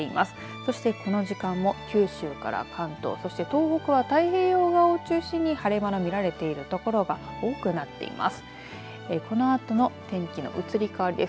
そして、この時間も九州から関東、そして東北は太平洋側を中心に晴れ間が見られている所が多くなっています。